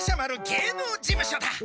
芸能事務所だ。